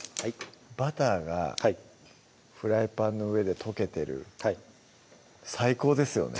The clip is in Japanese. バターがフライパンの上で溶けてる最高ですよね